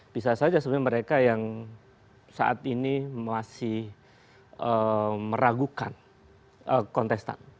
bisa saja sebenarnya mereka yang saat ini masih meragukan kontestan